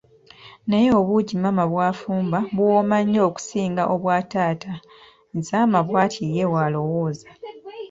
Naye obuugi maama bw'afumba buwooma nnyo okusinga obwa taata, Zama bwati ye walowooza.